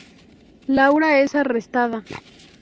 Laura es arrestada.